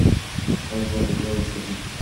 خلک باید اعتدال وساتي.